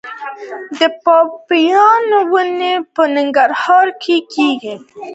د پاپایا ونې په ننګرهار کې کیږي؟